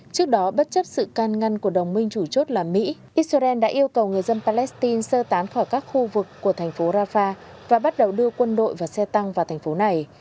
trước đó bất chấp sự can ngăn của đồng minh chủ chốt là mỹ israel đã yêu cầu người dân palestine sơ tán khỏi các khu vực của thành phố rafah và bắt đầu đưa quân đội và xe tăng vào thành phố này